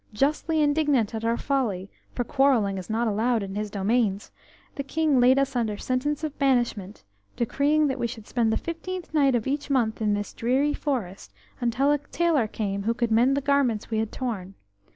Justly indignant at our folly, for quarrelling is not allowed in his domains, the King laid us under sentence of banishment, decreeing that we should spend the fifteenth night of each month in this dreary forest until a tailor came who could mend the garments we had torn.